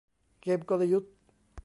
เกมกลยุทธ์